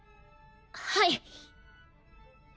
はい！